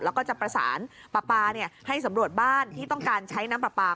แล้วก็จะประสานปลาปลาให้สำรวจบ้านที่ต้องการใช้น้ำปลาปลา